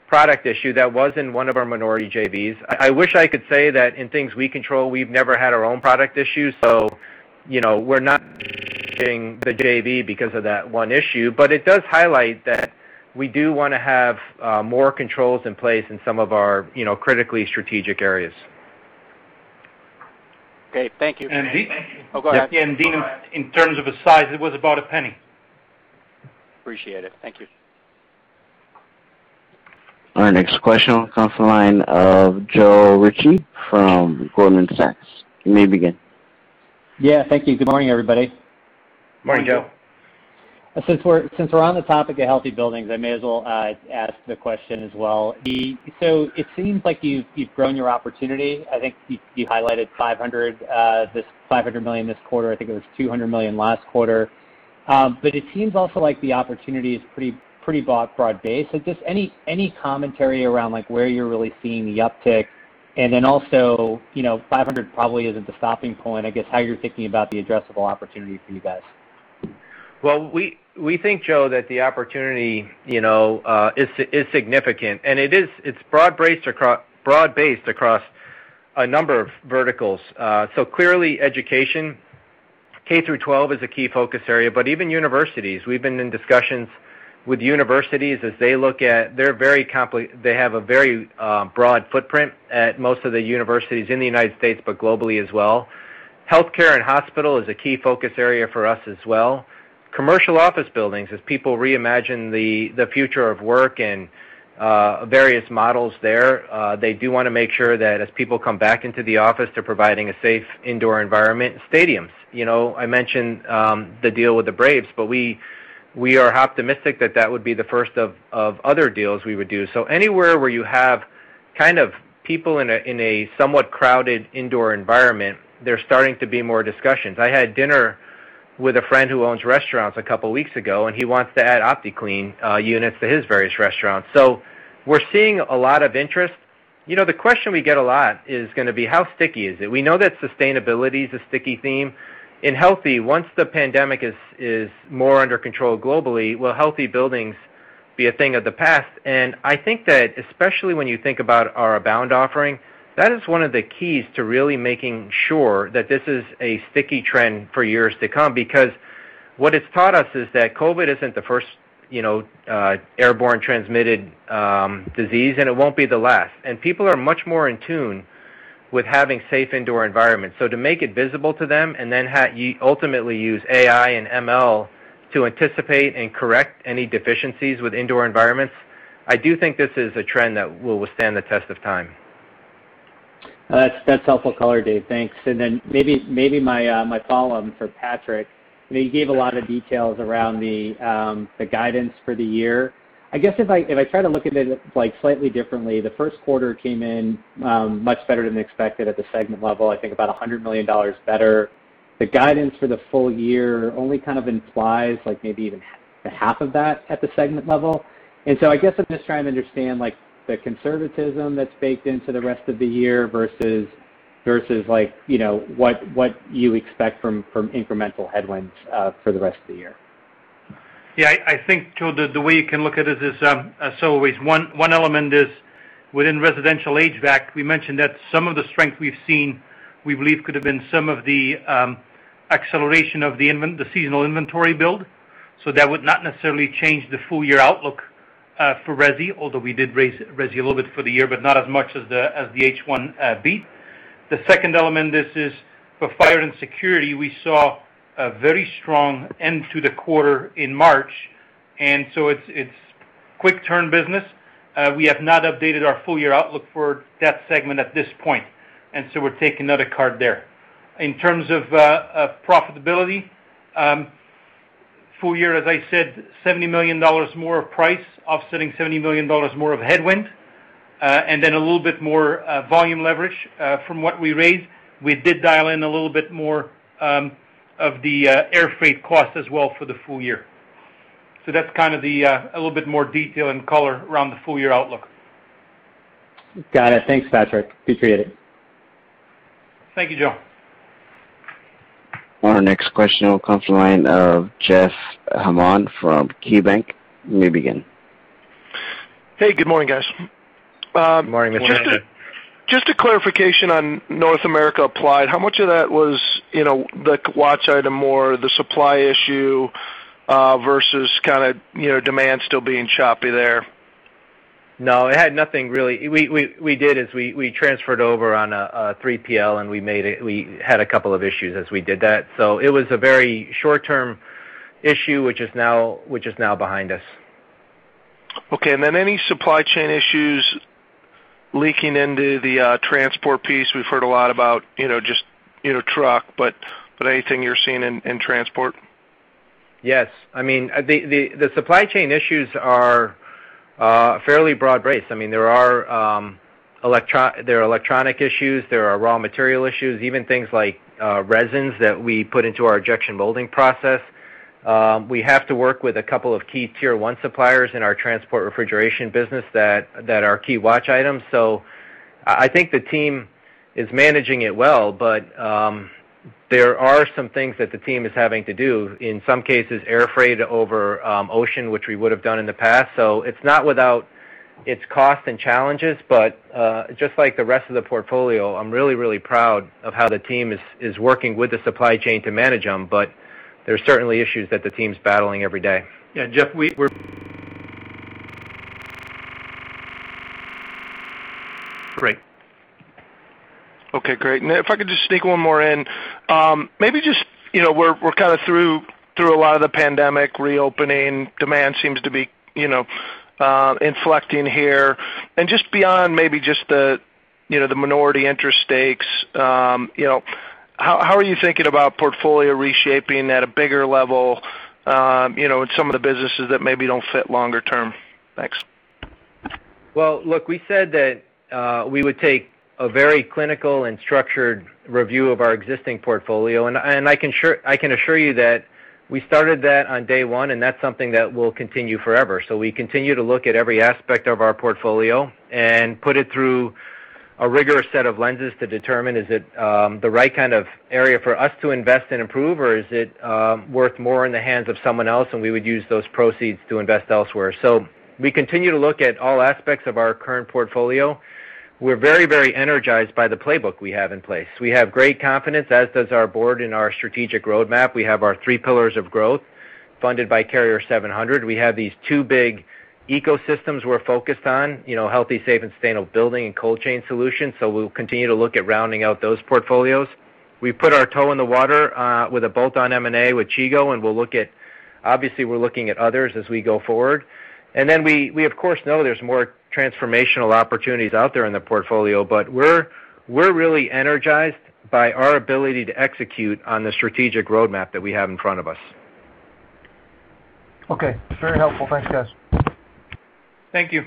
product issue, that was in one of our minority JVs. I wish I could say that in things we control, we've never had our own product issues, so we're not JV because of that one issue. It does highlight that we do want to have more controls in place in some of our critically strategic areas. Okay. Thank you. Oh, go ahead. Deane, in terms of a size, it was about $0.01. Appreciate it. Thank you. Our next question comes from the line of Joe Ritchie from Goldman Sachs. You may begin. Yeah. Thank you. Good morning, everybody. Morning, Joe. Since we're on the topic of healthy buildings, I may as well ask the question as well. It seems like you've grown your opportunity. I think you highlighted $500 million this quarter. I think it was $200 million last quarter. It seems also like the opportunity is pretty broad-based. Just any commentary around where you're really seeing the uptick? Also, $500 million probably isn't the stopping point, I guess, how you're thinking about the addressable opportunity for you guys. Well, we think, Joe, that the opportunity is significant, and it's broad-based across a number of verticals. Clearly education, K through 12 is a key focus area, but even universities. We've been in discussions with universities as they look at they have a very broad footprint at most of the universities in the United States, but globally as well. Healthcare and hospital is a key focus area for us as well. Commercial office buildings, as people reimagine the future of work and various models there, they do want to make sure that as people come back into the office, they're providing a safe indoor environment. Stadiums. I mentioned the deal with the Braves, we are optimistic that that would be the first of other deals we would do. Anywhere where you have kind of people in a somewhat crowded indoor environment, there's starting to be more discussions. I had dinner with a friend who owns restaurants a couple of weeks ago, and he wants to add OptiClean units to his various restaurants. We're seeing a lot of interest. The question we get a lot is going to be, how sticky is it? We know that sustainability is a sticky theme. Once the pandemic is more under control globally, will healthy buildings be a thing of the past? I think that, especially when you think about our Abound offering, that is one of the keys to really making sure that this is a sticky trend for years to come. Because what it's taught us is that COVID isn't the first airborne transmitted disease, and it won't be the last. People are much more in tune with having safe indoor environments. To make it visible to them and then ultimately use AI and ML to anticipate and correct any deficiencies with indoor environments, I do think this is a trend that will withstand the test of time. That's helpful color, Dave. Thanks. Maybe my follow-on for Patrick, you gave a lot of details around the guidance for the year. I guess if I try to look at it slightly differently, the first quarter came in much better than expected at the segment level, I think about $100 million better. The guidance for the full year only kind of implies like maybe even half of that at the segment level. I guess I'm just trying to understand the conservatism that's baked into the rest of the year versus what you expect from incremental headwinds for the rest of the year. Yeah, I think, Joe, the way you can look at it is, as always, one element is within residential HVAC. We mentioned that some of the strength we've seen, we believe could have been some of the acceleration of the seasonal inventory build. That would not necessarily change the full-year outlook for resi, although we did raise resi a little bit for the year, but not as much as the H1 beat. The second element is for fire and security. We saw a very strong end to the quarter in March, and so it's quick turn business. We have not updated our full-year outlook for that segment at this point, and so we're taking another call there. In terms of profitability, full year, as I said, $70 million more of price offsetting $70 million more of headwind. A little bit more volume leverage from what we raised. We did dial in a little bit more of the air freight cost as well for the full year. That's kind of a little bit more detail and color around the full year outlook. Got it. Thanks, Patrick. Appreciate it. Thank you, Joe. Our next question will come from the line of Jeff Hammond from KeyBanc. You may begin. Hey, good morning, guys. Good morning, Jeff. Good morning. Just a clarification on North America applied. How much of that was the watch item more the supply issue versus kind of demand still being choppy there? No, it had nothing really. We did is we transferred over on a 3PL, we had a couple of issues as we did that. It was a very short-term issue, which is now behind us. Okay. Any supply chain issues leaking into the transport piece? We've heard a lot about just truck, but anything you're seeing in transport? Yes. The supply chain issues are fairly broad-based. There are electronic issues, there are raw material issues, even things like resins that we put into our injection molding process. We have to work with a couple of key Tier 1 suppliers in our transport refrigeration business that are key watch items. I think the team is managing it well, but there are some things that the team is having to do, in some cases, air freight over ocean, which we would have done in the past. It's not without its cost and challenges, but just like the rest of the portfolio, I'm really, really proud of how the team is working with the supply chain to manage them. There are certainly issues that the team's battling every day. Yeah, Jeff. [inaudible] Great. Okay, great. If I could just sneak one more in. We're kind of through a lot of the pandemic reopening. Demand seems to be inflecting here. Just beyond maybe just the minority interest stakes, how are you thinking about portfolio reshaping at a bigger level in some of the businesses that maybe don't fit longer term? Thanks. Look, we said that we would take a very clinical and structured review of our existing portfolio, and I can assure you that we started that on day one, and that's something that will continue forever. We continue to look at every aspect of our portfolio and put it through a rigorous set of lenses to determine, is it the right kind of area for us to invest and improve, or is it worth more in the hands of someone else, and we would use those proceeds to invest elsewhere. We continue to look at all aspects of our current portfolio. We're very energized by the playbook we have in place. We have great confidence, as does our board in our strategic roadmap. We have our three pillars of growth funded by Carrier 700. We have these two big ecosystems we're focused on, healthy, safe, and sustainable building and cold chain solutions. We'll continue to look at rounding out those portfolios. We put our toe in the water with a bolt-on M&A with Chigo, obviously, we're looking at others as we go forward. We of course know there's more transformational opportunities out there in the portfolio. We're really energized by our ability to execute on the strategic roadmap that we have in front of us. Okay. Very helpful. Thanks, guys. Thank you.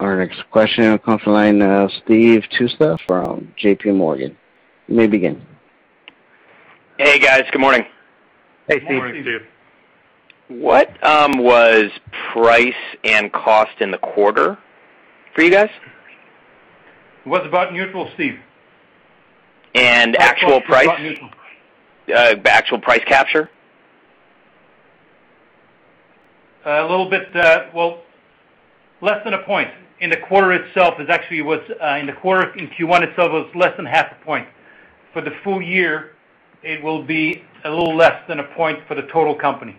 Our next question comes from the line of Steve Tusa from JPMorgan. You may begin. Hey, guys. Good morning. Hey, Steve. Good morning, Steve. What was price and cost in the quarter for you guys? It was about neutral, Steve. Actual price? About neutral. Actual price capture? Well, less than a point in the quarter itself. In Q1 itself, it was less than half a point. For the full year, it will be a little less than a point for the total company.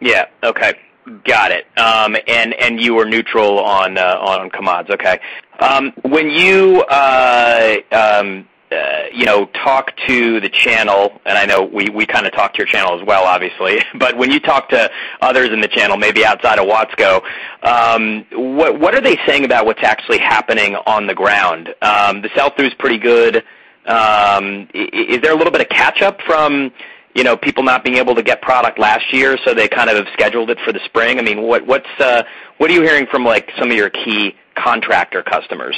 Yeah. Okay. Got it. You were neutral on commods, okay. When you talk to the channel, and I know we kind of talk to your channel as well, obviously. When you talk to others in the channel, maybe outside of Watsco, what are they saying about what's actually happening on the ground? The sell-through is pretty good. Is there a little bit of catch-up from people not being able to get product last year, so they kind of have scheduled it for the spring? What are you hearing from some of your key contractor customers?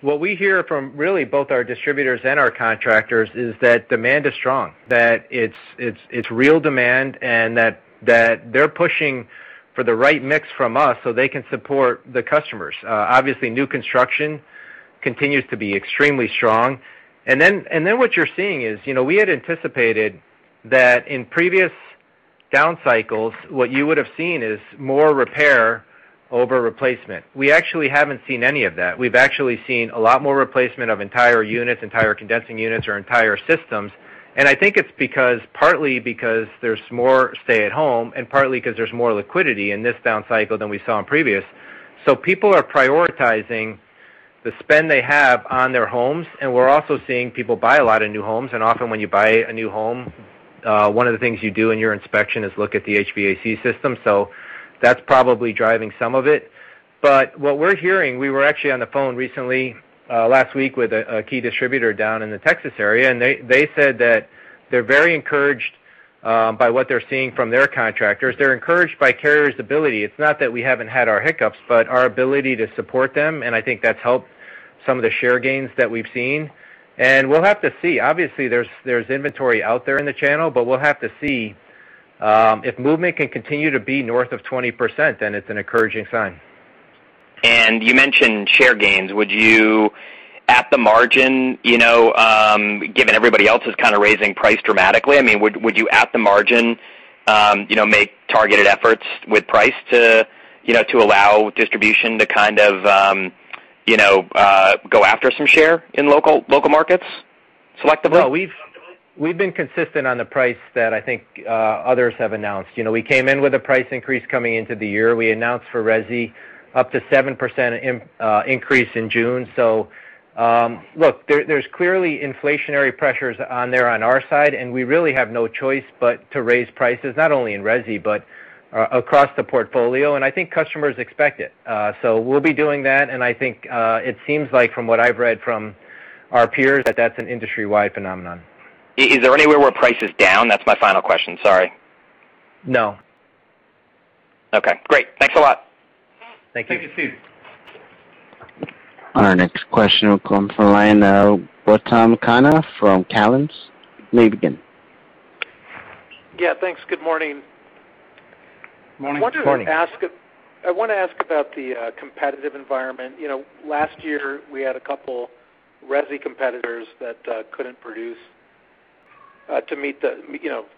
What we hear from really both our distributors and our contractors is that demand is strong, that it's real demand, and that they're pushing for the right mix from us so they can support the customers. Obviously, new construction continues to be extremely strong. What you're seeing is, we had anticipated that in previous down cycles, what you would have seen is more repair over replacement. We actually haven't seen any of that. We've actually seen a lot more replacement of entire units, entire condensing units or entire systems. I think it's partly because there's more stay at home and partly because there's more liquidity in this down cycle than we saw in previous. People are prioritizing the spend they have on their homes, and we're also seeing people buy a lot of new homes. Often when you buy a new home, one of the things you do in your inspection is look at the HVAC system. What we're hearing, we were actually on the phone recently, last week with a key distributor down in the Texas area, and they said that they're very encouraged by what they're seeing from their contractors. They're encouraged by Carrier's ability. It's not that we haven't had our hiccups, but our ability to support them, and I think that's helped some of the share gains that we've seen. We'll have to see. Obviously, there's inventory out there in the channel, but we'll have to see. If movement can continue to be north of 20%, then it's an encouraging sign. You mentioned share gains. Would you, at the margin, given everybody else is kind of raising price dramatically, would you, at the margin, make targeted efforts with price to allow distribution to kind of go after some share in local markets selectively? No, we've been consistent on the price that I think others have announced. We came in with a price increase coming into the year. We announced for resi up to 7% increase in June. Look, there's clearly inflationary pressures on there on our side, and we really have no choice but to raise prices, not only in resi, but across the portfolio. I think customers expect it. We'll be doing that, and I think it seems like from what I've read from our peers, that that's an industry-wide phenomenon. Is there anywhere where price is down? That's my final question. Sorry. No. Okay, great. Thanks a lot. Thank you. Thank you, Steve. Our next question will come from the line of Gautam Khanna from Cowen. You may begin. Yeah, thanks. Good morning. Morning. Morning. I want to ask about the competitive environment. Last year, we had a couple resi competitors that couldn't produce to meet.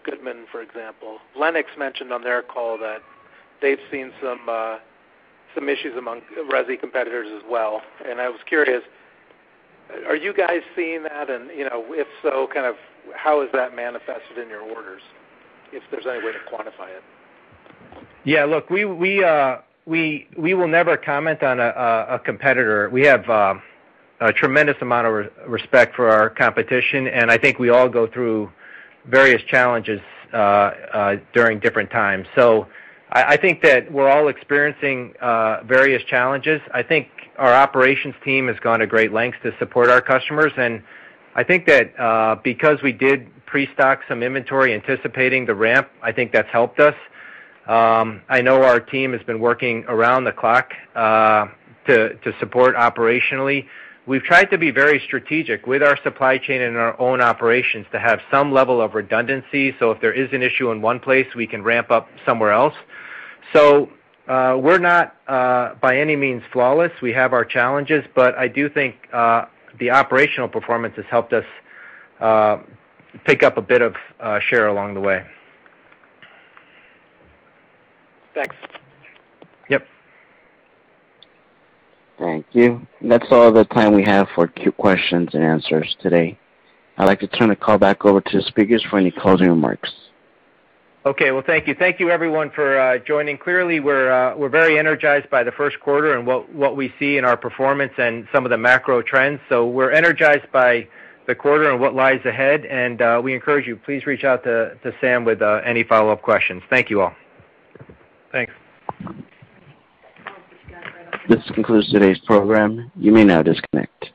Goodman, for example. Lennox mentioned on their call that they've seen some issues among resi competitors as well. I was curious, are you guys seeing that? If so, how is that manifested in your orders, if there's any way to quantify it? Yeah, look, we will never comment on a competitor. We have a tremendous amount of respect for our competition, and I think we all go through various challenges during different times. I think that we're all experiencing various challenges. I think our operations team has gone to great lengths to support our customers. I think that because we did pre-stock some inventory anticipating the ramp, I think that's helped us. I know our team has been working around the clock to support operationally. We've tried to be very strategic with our supply chain and our own operations to have some level of redundancy, so if there is an issue in one place, we can ramp up somewhere else. We're not by any means flawless. We have our challenges, but I do think the operational performance has helped us pick up a bit of share along the way. Thanks. Yep. Thank you. That's all the time we have for questions and answers today. I'd like to turn the call back over to the speakers for any closing remarks. Okay, well, thank you. Thank you everyone for joining. Clearly, we're very energized by the first quarter and what we see in our performance and some of the macro trends. We're energized by the quarter and what lies ahead, and we encourage you, please reach out to Sam with any follow-up questions. Thank you all. Thanks. This concludes today's program. You may now disconnect.